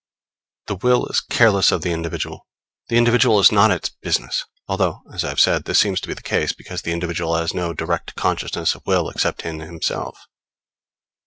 The will is careless of the individual: the individual is not its business; although, as I have said, this seems to be the case, because the individual has no direct consciousness of will except in himself.